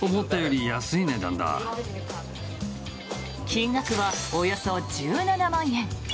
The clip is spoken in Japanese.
金額はおよそ１７万円。